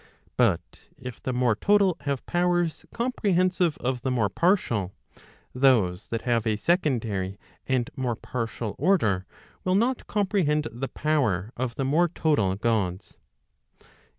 But if the more total have powers comprehensive of the more partial, those that have a secondary and more partial order, will not comprehend the power of the more total Gods.